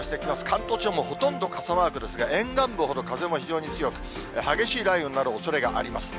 関東地方もほとんど傘マークですが、沿岸部ほど、風も非常に強く、激しい雷雨になるおそれがあります。